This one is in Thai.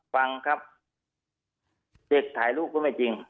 ฟังครับเด็กถ่ายรูปก็ไม่จริง